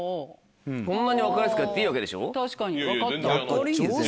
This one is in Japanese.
こんなに分かりやすくやっていいわけでしょ？